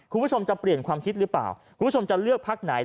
คุณผู้ชมจะเปลี่ยนความคิดหรือเปล่าคุณผู้ชมจะเลือกพักไหน